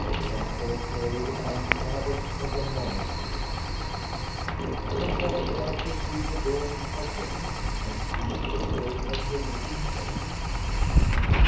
and called for aid upon the Abbots of the monasteries,—And Shahrazad perceived the dawn of day and ceased to say her permitted say.